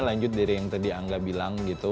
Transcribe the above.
lanjut dari yang tadi angga bilang gitu